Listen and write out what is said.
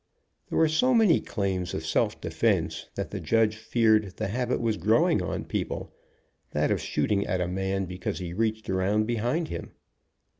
There were so many claims of self defense that the judge feared the habit was growing on people, that of shooting at a man because he reached around behind him.